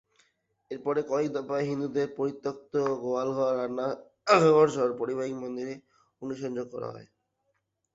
এরপর কয়েক দফায় হিন্দুদের পরিত্যক্ত গোয়ালঘর, রান্নাঘরসহ পারিবারিক মন্দিরে অগ্নিসংযোগ করা হয়।